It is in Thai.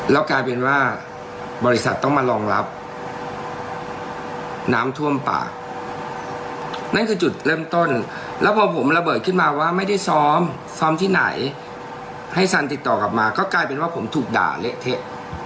แล้วกลายเป็นว่าบริษัทต้องมารองรับน้ำท่วมปากนั่นคือจุดเริ่มต้นแล้วพอผมระเบิดขึ้นมาว่าไม่ได้ซ้อมซ้อมที่ไหนให้สันติดต่อกลับมาก็กลายเป็นว่าผมถูกด่าเละเทะ